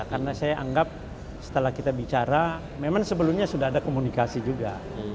karena saya anggap setelah kita bicara memang sebelumnya sudah ada komunikasi juga